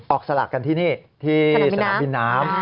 สลากกันที่นี่ที่สนามบินน้ำ